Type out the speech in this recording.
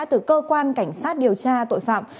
từ cơ quan cảnh sát điều tra tội phạm